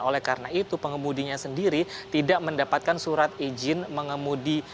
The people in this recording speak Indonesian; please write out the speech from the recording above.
oleh karena itu pengemudinya sendiri tidak mendapatkan surat izin mengemudi